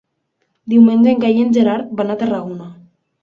Diumenge en Cai i en Gerard van a Tarragona.